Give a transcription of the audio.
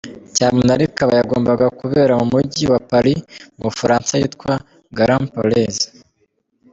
Cyamunara ikaba yagombaga kubera mu mujyi wa Paris mu Bufaransa ahitwa Grand palais.